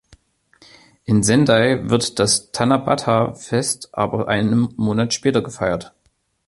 In Sendai wird das Tanabata-Fest aber einen Monat später gefeiert.